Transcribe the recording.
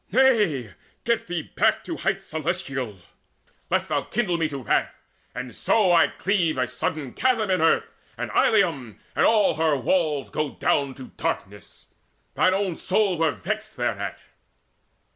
Nay, get thee back to heights Celestial, lest thou kindle me to wrath, And so I cleave a sudden chasm in earth, And Ilium and all her walls go down To darkness. Thine own soul were vexed thereat."